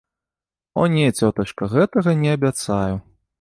О не, цётачка, гэтага не абяцаю.